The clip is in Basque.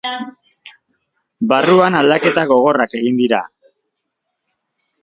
Barruan aldaketa gogorrak egin dira.